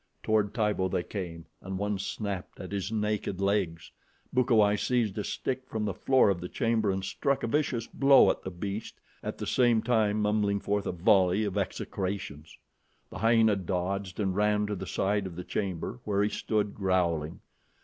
Toward Tibo they came, and one snapped at his naked legs. Bukawai seized a stick from the floor of the chamber and struck a vicious blow at the beast, at the same time mumbling forth a volley of execrations. The hyena dodged and ran to the side of the chamber, where he stood growling.